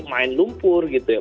main lumpur gitu ya